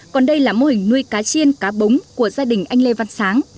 còn đây là mô hình nuôi cá chiên cá bống của gia đình anh lê văn sáng